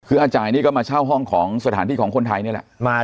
คืออาจ่ายนี่ก็มาเช่าห้องของสถานที่ของคนไทยนี่แหละ